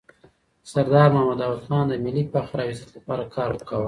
سردار محمد داود خان د ملي فخر او عزت لپاره کار کاوه.